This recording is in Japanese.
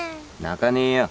泣かねえよ。